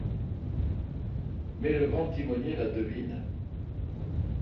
Mais le Grand Timonier la devine.